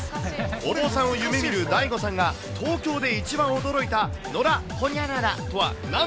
お坊さんを夢見るダイゴさんが、東京で一番驚いた野良ホニャララ